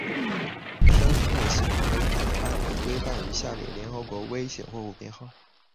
生物性危害的物质规范于下列的联合国危险货物编号